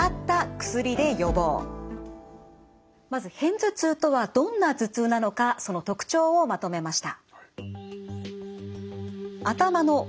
まず片頭痛とはどんな頭痛なのかその特徴をまとめました。